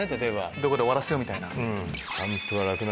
どこで終わらせよう？みたいな。